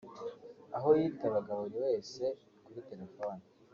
aho yitabaga buri wese kuri telefoni